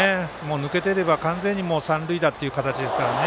抜けてれば完全に三塁打っていう形ですからね。